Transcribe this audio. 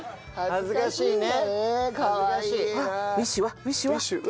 恥ずかしいね。